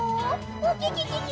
ウキキキ！